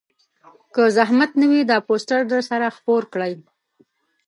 که زحمت نه وي دا پوسټر درسره خپور کړئ